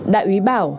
đại úy bảo